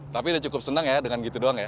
tapi udah cukup senang ya dengan gitu doang ya